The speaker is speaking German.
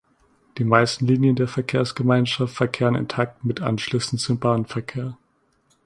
Die meisten Linien der Verkehrsgemeinschaft verkehren in Takten mit Anschlüssen zum Bahnverkehr.